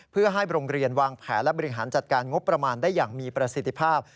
เพื่อให้โรงเรียนวางแผนและบริหารจัดการงบประมาณได้อย่างมีประสิทธิภาพ